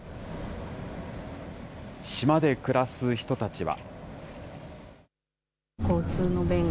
島で暮らす人たちは。